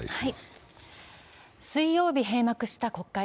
水曜日、閉幕した国会。